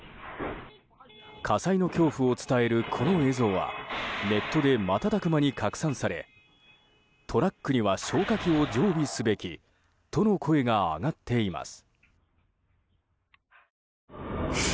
火災の恐怖を伝える、この映像はネットで瞬く間に拡散されトラックには消火器を常備すべきとの声が上がっています。